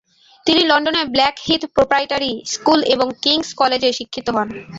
তিনি লন্ডনের Blackheath proprietary school এবং কিংস কলেজে শিক্ষিত হন।